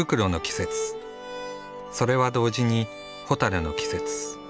それは同時にホタルの季節。